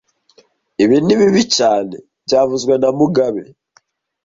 Ibi ni bibi cyane byavuzwe na mugabe